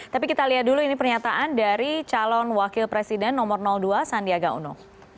tapi kita lihat dulu ini pernyataan dari calon wakil presiden nomor dua sandiaga uno